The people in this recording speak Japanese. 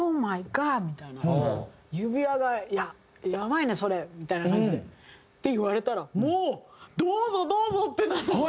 「指輪がやばいねそれ」みたいな感じで言われたらもう「どうぞ！どうぞ！」ってなる。